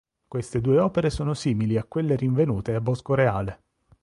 Queste due opere sono simili a quelle rinvenute a Boscoreale.